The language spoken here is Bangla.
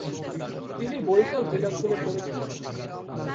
তিনি বরিশাল জেলা স্কুলে পড়েছিলেন।